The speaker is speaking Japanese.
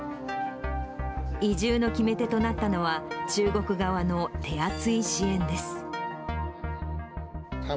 移住の決め手となったのは、中国側の手厚い支援です。